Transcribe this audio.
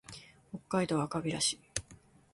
北海道赤平市